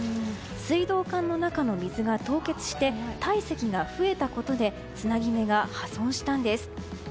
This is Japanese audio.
水道管の中の水が凍結して体積が増えたことでつなぎ目が破損したんです。